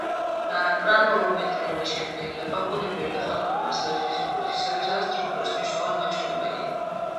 გრანულომეტრიული შედგენილობა ბუნებრივი და ხელოვნური მასალების ფიზიკური თვისებებისა და სტრუქტურის მნიშვნელოვანი მაჩვენებელია.